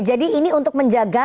jadi ini untuk menjaga